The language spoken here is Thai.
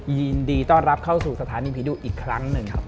ยินดีต้อนรับเข้าสู่สถานีผีดุอีกครั้งหนึ่งครับ